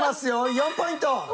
４ポイント！